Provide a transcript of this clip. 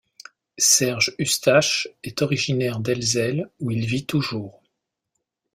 Serge Hustache est originaire d’Ellezelles où il vit toujours.